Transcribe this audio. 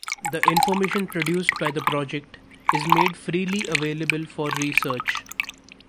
The information produced by the project is made freely available for research.